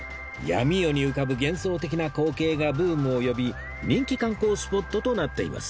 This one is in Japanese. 闇夜に浮かぶ幻想的な光景がブームを呼び人気観光スポットとなっています